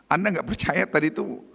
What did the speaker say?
anda nggak percaya tadi itu